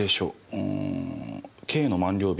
うーん「刑の満了日